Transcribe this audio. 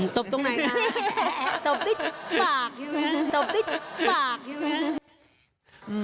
ตบตรงไหนตบติ๊กสากตบติ๊กสาก